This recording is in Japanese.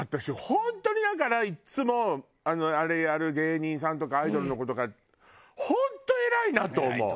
本当にだからいつもあれやる芸人さんとかアイドルの子とか本当偉いなと思う。